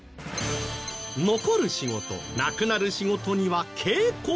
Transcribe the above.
残る仕事なくなる仕事には傾向が。